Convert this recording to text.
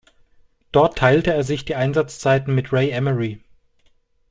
Dort teilte er sich die Einsatzzeiten mit Ray Emery.